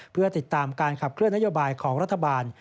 เพื่อติดตามการขับเคลื่อนนโยบายของรัฐบาล